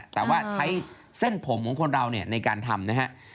แต่ว่าใช้เส้นผมของคนเราเนี่ยในการทำนะฮะ